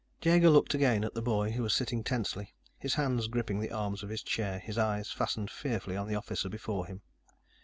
Jaeger looked again at the boy, who was sitting tensely, his hands gripping the arms of his chair, his eyes fastened fearfully on the officer before him.